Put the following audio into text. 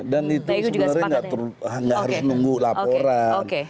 dan itu sebenarnya nggak harus nunggu laporan